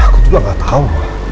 aku juga nggak tahu